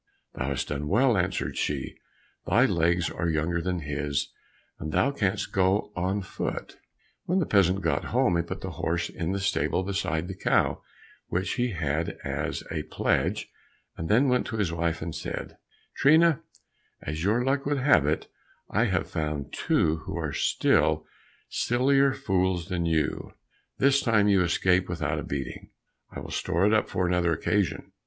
"Thou hast done well," answered she, "thy legs are younger than his, and thou canst go on foot." When the peasant got home, he put the horse in the stable beside the cow which he had as a pledge, and then went to his wife and said, "Trina, as your luck would have it, I have found two who are still sillier fools than you; this time you escape without a beating, I will store it up for another occasion."